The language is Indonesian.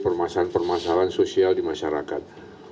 permasalahan permasalahan sosial di masyarakat